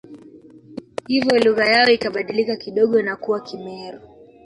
Hivyo lugha yao ikabadilika kidogo na kuwa Kimeru